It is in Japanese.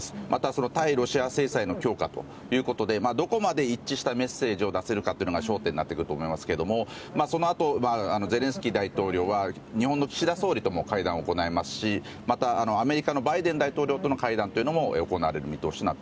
また、対ロシア制裁の強化ということでどこまで一致したメッセージを出せるかが焦点になると思いますがその後、ゼレンスキー大統領は日本の岸田総理とも会談を行いますしアメリカのバイデン大統領との会談も行われる見通しです。